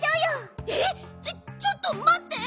えっちょっとまって！